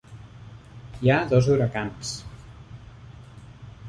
Hi han dos huracans.